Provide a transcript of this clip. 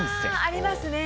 ありますね。